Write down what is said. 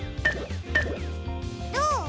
どう？